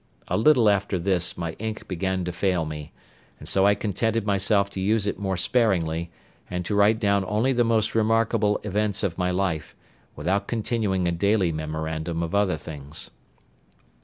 A little after this, my ink began to fail me, and so I contented myself to use it more sparingly, and to write down only the most remarkable events of my life, without continuing a daily memorandum of other things.